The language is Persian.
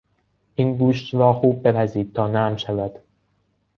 این گوشت را خوب بپزید تا نرم شود.